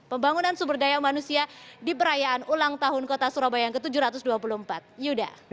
pembangunan sumber daya manusia di perayaan ulang tahun kota surabaya yang ke tujuh ratus dua puluh empat yuda